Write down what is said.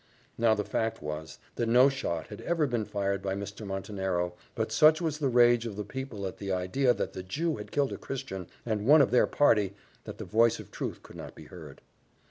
Now the fact was, that no shot had ever been fired by Mr. Montenero; but such was the rage of the people at the idea that the Jew had killed a Christian, and one of their party, that the voice of truth could not be heard.